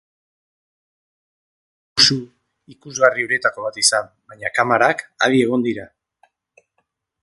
Ez da musu ikusgarri horietako bat izan, baina kamarak adi egon dira.